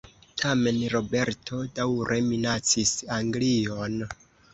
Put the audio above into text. Tamen Roberto daŭre minacis Anglion.